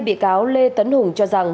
bị cáo lê tấn hùng cho rằng